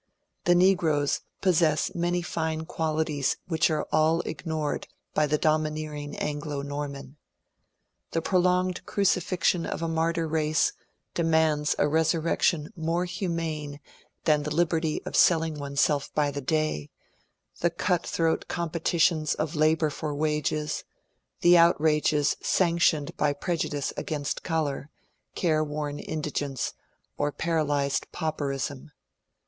The negroes possess many fine qualities which are all ignored by the domineering Anglo Norman. *^ The pro longed crucifixion of a martyr race demands a resurrection more humane than the liberty of selling oneself by the day, the cutthroat competitions of labour for wages, the outrages sanctioned by prejudice against colour, careworn indigence, or paralyzed pauperism.